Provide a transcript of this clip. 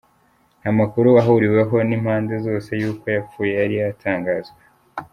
Nta makuru ahuriweho n'impande zose yuko yapfuye yari yatangazwa.